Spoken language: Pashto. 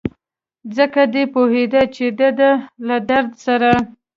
ځکه دی پوهېده چې دده له درد سره.